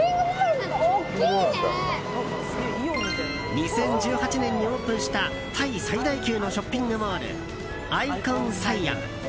２０１８年にオープンしたタイ最大級のショッピングモールアイコンサイアム。